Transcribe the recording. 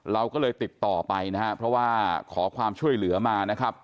เราก็เลยติดต่อไปนะครับเพราะว่าขอความช่วยเหลือมานะครับ